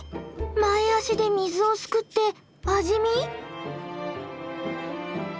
前足で水をすくって味見？